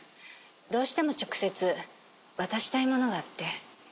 どうしても直接渡したいものがあって。